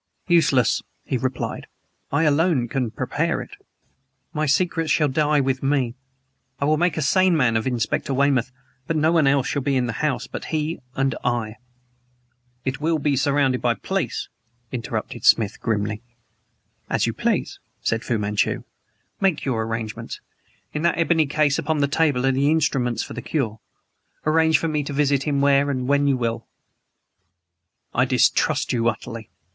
"Useless," he replied. "I alone can prepare it. My secrets shall die with me. I will make a sane man of Inspector Weymouth, but no one else shall be in the house but he and I." "It will be surrounded by police," interrupted Smith grimly. "As you please," said Fu Manchu. "Make your arrangements. In that ebony case upon the table are the instruments for the cure. Arrange for me to visit him where and when you will " "I distrust you utterly.